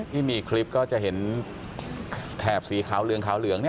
ที่มีคลิปก็จะเห็นแถบสีขาวเหลืองนี่